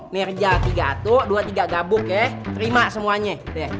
nirja tiga atuk dua tiga gabuk ya terima semuanya deh